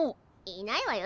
いないわよ